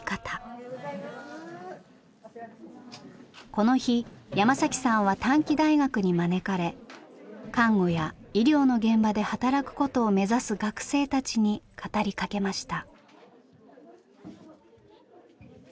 この日山さんは短期大学に招かれ看護や医療の現場で働くことを目指す学生たちに語りかけました。